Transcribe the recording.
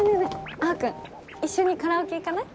青君一緒にカラオケ行かない？